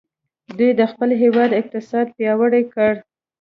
دوی د خپل هیواد اقتصاد پیاوړی کړ.